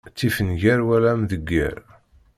Ttif nnger wala amdegger.